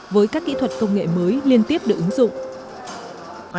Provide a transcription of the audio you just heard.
với các kỹ thuật công nghệ mới liên tiếp được ứng dụng